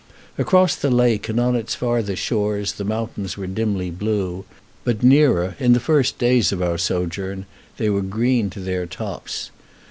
Across the lake and on its farther shores the mountains were dimly blue; but nearer, in the first days of our sojourn, they were green to their tops.